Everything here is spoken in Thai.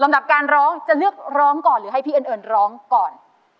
การร้องจะเลือกร้องก่อนหรือให้พี่เอิญเอิญร้องก่อน